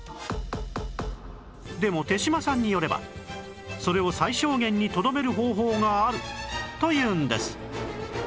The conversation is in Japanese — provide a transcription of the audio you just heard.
でも手島さんによればそれを最小限にとどめる方法があるというんです